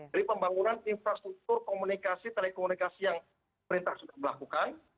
dari pembangunan infrastruktur komunikasi telekomunikasi yang perintah sudah melakukan